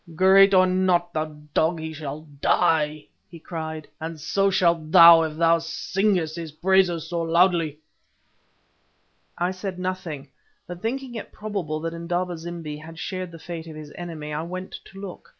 "Great or not, thou dog, he shall die," he cried, "and so shalt thou if thou singest his praises so loudly." I said nothing, but thinking it probable that Indaba zimbi had shared the fate of his enemy, I went to look.